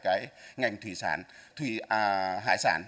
cái ngành thủy sản thủy hải sản